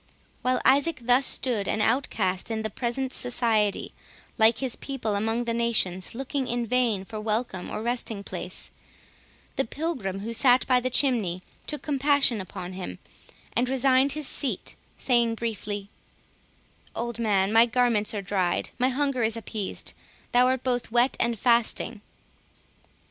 While Isaac thus stood an outcast in the present society, like his people among the nations, looking in vain for welcome or resting place, the pilgrim who sat by the chimney took compassion upon him, and resigned his seat, saying briefly, "Old man, my garments are dried, my hunger is appeased, thou art both wet and fasting."